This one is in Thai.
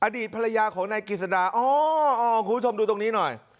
อดีตภรรยาของนายกิจสดาอ๋อคุณผู้ชมดูตรงนี้หน่อย